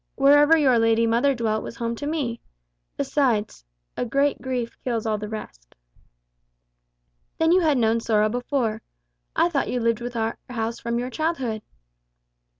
Wherever your lady mother dwelt was home to me. Besides, 'a great grief kills all the rest.'" "Then you had known sorrow before. I thought you lived with our house from your childhood."